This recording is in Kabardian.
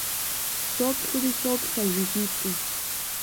Соплъри соплъ а жыгитӀым.